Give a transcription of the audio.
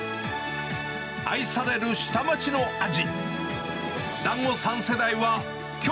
愛される下町の味。